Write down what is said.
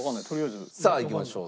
さあいきましょう。